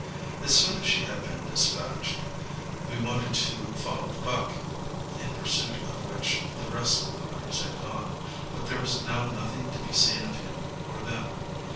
As soon as she had been despatched, we wanted to follow the buck, in pursuit of which the rest of the riders had gone, but there was now nothing to be seen of him or them.